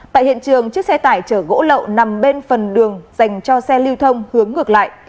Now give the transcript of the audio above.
tại hiện trường chiếc xe tải chở gỗ lậu nằm bên phần đường dành cho xe lưu thông hướng ngược lại